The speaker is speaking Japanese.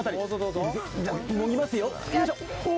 もぎますよ。